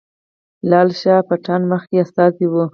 لال شاه پټان مخکې استازی وو.